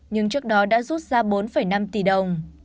nhưng trước đó đã rút ra bốn năm tỷ đồng